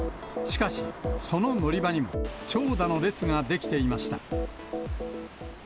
しかし、その乗り場にも長蛇の列が出来ていました。